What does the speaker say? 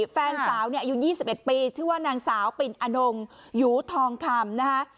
แฟนสาวเนี้ยอายุยี่สิบเอ็ดปีชื่อว่านางสาวปินอานงยูทองคำนะคะ